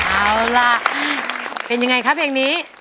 เอาล่ะเป็นยังไงครับเพลงนี้